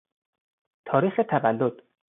تاریخ تولد